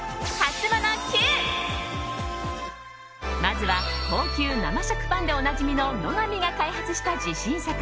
まずは高級生食パンでおなじみの乃が美が開発した自信作。